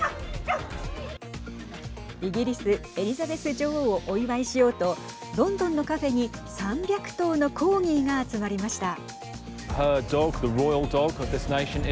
イギリス、エリザベス女王をお祝いしようとロンドンのカフェに３００頭のコーギーが集まりました。